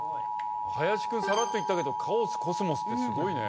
林君さらっと言ったけど「カオス」「コスモス」ってすごいね。